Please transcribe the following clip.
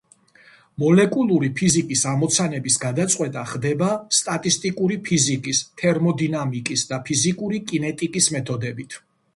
მოლეკულური ფიზიკის ამოცანების გადაწყვეტა ხდება სტატისტიკური ფიზიკის, თერმოდინამიკის და ფიზიკური კინეტიკის მეთოდებით.